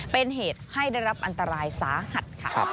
เป็นเหตุให้ได้รับอันตรายสาหัสค่ะ